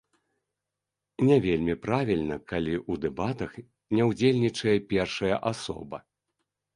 Не вельмі правільна, калі ў дэбатах не ўдзельнічае першая асоба.